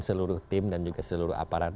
seluruh tim dan juga seluruh aparat